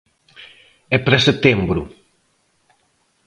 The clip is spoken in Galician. E para setembro...